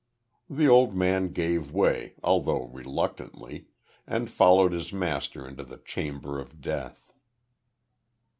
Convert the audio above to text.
The old man gave way, although reluctantly, and followed his master into the chamber of death.